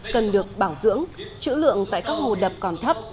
cần được bảo dưỡng chữ lượng tại các hồ đập còn thấp